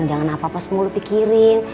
jangan apa apa semua lu pikirin